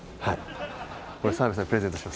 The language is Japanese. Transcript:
はい。